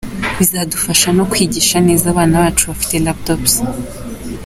Bizadufasha no kwigisha neza abana bacu bafite laptops.